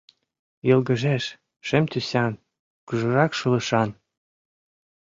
Йылгыжеш, шем тӱсан, кужурак шулышан.